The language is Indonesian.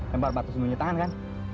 lempar batu sembunyi tangan kan